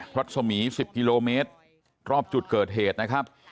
รัศมี๑๐กิโลเมตรรอบจุดเกิดเหตุนะครับ